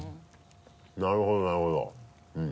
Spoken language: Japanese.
なるほどなるほど。